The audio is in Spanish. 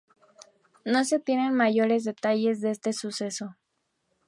No se tienen mayores detalles de este suceso.